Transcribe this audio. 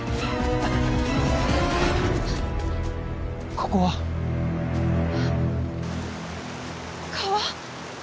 ここは川？